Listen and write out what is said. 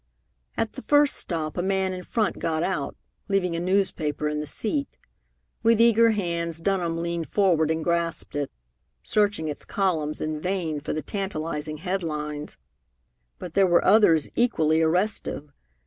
At the first stop a man in front got out, leaving a newspaper in the seat. With eager hands, Dunham leaned forward and grasped it, searching its columns in vain for the tantalizing headlines. But there were others equally arrestive.